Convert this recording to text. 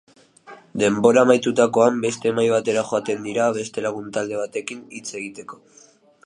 Denbora amaitutakoan beste mahai batera joaten dira beste lagun talde batekin hitz egiteko.